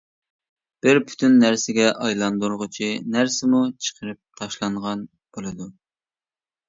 بىر پۈتۈن نەرسىگە ئايلاندۇرغۇچى نەرسىمۇ چىقىرىپ تاشلانغان بولىدۇ.